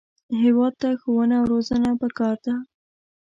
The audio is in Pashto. هېواد ته ښوونه او روزنه پکار ده